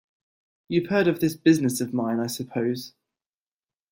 You've heard of this business of mine, I suppose?